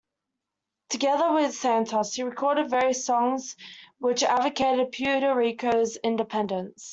Together with Santos, he recorded various songs which advocated Puerto Rico's independence.